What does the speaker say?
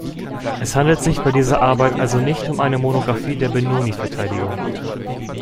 Es handelt sich bei dieser Arbeit also nicht um eine Monografie der Benoni-Verteidigung.